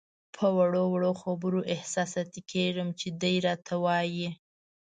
په وړو وړو خبرو احساساتي کېږم چې دی راته وایي.